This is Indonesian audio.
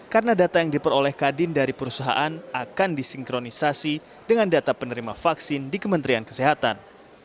karena data yang diperoleh kadin dari perusahaan akan disinkronisasi dengan data penerima vaksin di kementerian kesehatan